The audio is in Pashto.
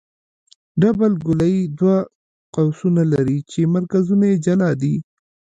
ډبل ګولایي دوه قوسونه لري چې مرکزونه یې جلا دي